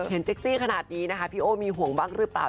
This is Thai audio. เห็นเซ็กซี่ขนาดนี้พี่โอมีห่วงบ้างหรือเปล่า